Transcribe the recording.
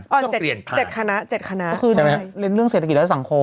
อ๋อเจ็ดคณะเจ็ดคณะเจ็ดคณะใช่ไหมฮะเรียนเรื่องเศรษฐกิจและสังคม